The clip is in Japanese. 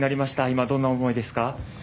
今、どんな思いですか？